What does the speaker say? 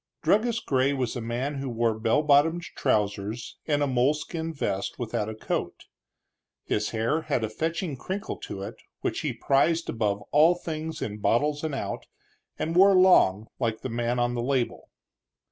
Druggist Gray was a man who wore bell bottomed trousers and a moleskin vest without a coat. His hair had a fetching crinkle to it, which he prized above all things in bottles and out, and wore long, like the man on the label.